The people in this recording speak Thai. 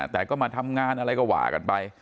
แต่ก็มาทำงานอะไรก็ว่ากันไป